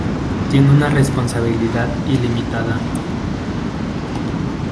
Tiene una responsabilidad ilimitada.